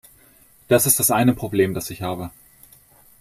Das ist das eine Problem, das ich habe.